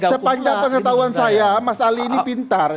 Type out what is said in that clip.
sepanjang pengetahuan saya mas ali ini pintar